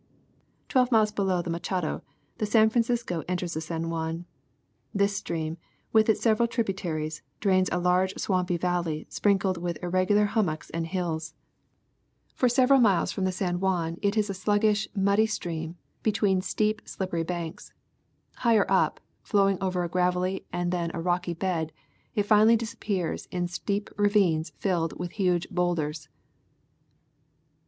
Twelve miles below the Machado the San Francisco enters the San Juan, This stream, with its several tributaries, drains a large swampy valley sprinkled with irregular hummocks and hills. For Across Nicaragua with Transit and Machete. 333 several miles from the San Juan it is a sluggish, muddy stream between steep slippery banks ; higher up, flowing over a gravelly and then a rocky bed, it finally disappears in steep ravines filled with huge bowlders.